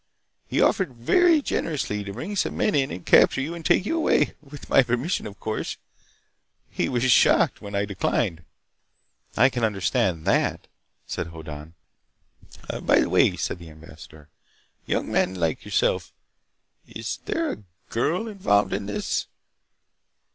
He offered very generously to bring some men in and capture you and take you away—with my permission, of course. He was shocked when I declined." "I can understand that," said Hoddan. "By the way," said the ambassador. "Young men like yourself— Is there a girl involved in this?"